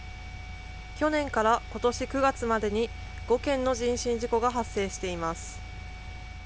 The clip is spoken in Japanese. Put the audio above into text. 去年からことし９月までに、５件の人身事故が発生しています。